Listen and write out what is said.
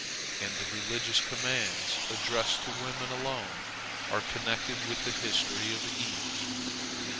And the religious commands addressed to women alone are connected with the history of Eve.